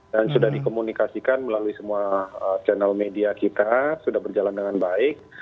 dan sudah dikomunikasikan melalui semua channel media kita sudah berjalan dengan baik